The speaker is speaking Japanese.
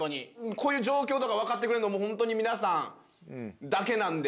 こういう状況とかも分かってくれるのも、本当に皆さんだけなんで。